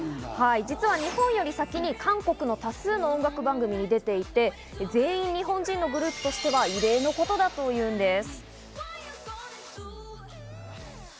実は日本より先に韓国の多数の音楽番組に出ていて、全員日本人のグループとしては異例のことだというんです。